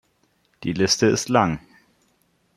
Die Liste ist lang.